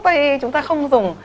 vì chúng ta không dùng